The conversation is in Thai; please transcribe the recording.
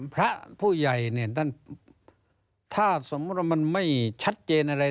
พระผู้ใหญ่ถ้าสมมติมันไม่ชัดเจนอะไร